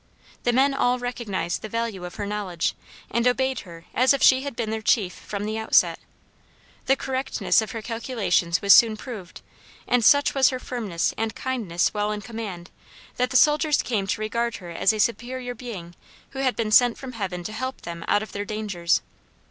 The men all recognized the value of her knowledge, and obeyed her as if she had been their chief from the outset. The correctness of her calculations was soon proved, and such was her firmness and kindness while in command, that the sailors came to regard her as a superior being who had been sent from heaven to help them out of their dangers.